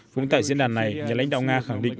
cũng tại diễn đàn này nhà lãnh đạo nga khẳng định